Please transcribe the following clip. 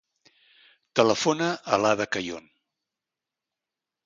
Telefona a l'Ada Cayon.